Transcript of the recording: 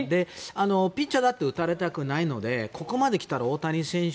ピッチャーだって打たれたくないのでここまで来たら大谷選手